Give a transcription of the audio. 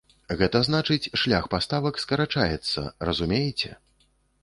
Гэта значыць, шлях паставак скарачаецца, разумееце?